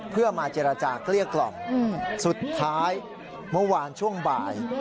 เพื่อมาเจรจาเกลี้ยกล่อมสุดท้ายเมื่อวานช่วงบ่าย